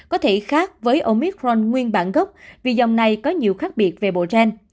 có thể khác với omicron nguyên bản gốc vì dòng này có nhiều khác biệt về bộ gen